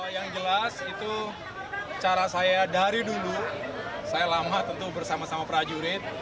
yang jelas itu cara saya dari dulu saya lama tentu bersama sama prajurit